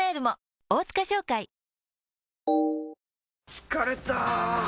疲れた！